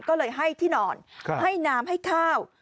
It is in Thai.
ก็เลยให้ที่นอนให้น้ำให้ข้าว